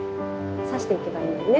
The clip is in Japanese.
刺していけばいいんだよね？